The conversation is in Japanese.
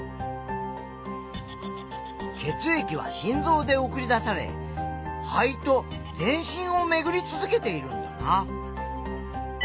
血液は心臓で送り出され肺と全身をめぐり続けているんだな。